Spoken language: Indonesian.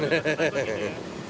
takut gitu ya